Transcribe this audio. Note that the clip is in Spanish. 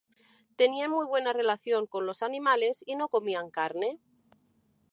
Tenían muy buena relación con los animales y no comían carne.